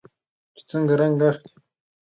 چې څنګه رنګ اخلي.